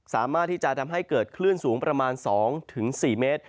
สามารถที่จะทำให้เกิดคลื่นสูงประมาณ๒๔เมตร